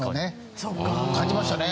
感じましたね。